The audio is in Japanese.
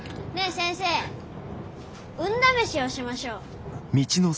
先生「運だめし」をしましょう。